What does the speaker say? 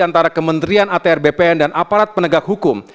antara kementerian atr bpn dan aparat penegak hukum